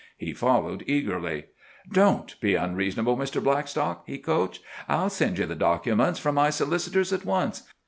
He followed eagerly. "Don't be unreasonable, Mr. Blackstock," he coaxed. "I'll send you the documents, from my solicitors, at once.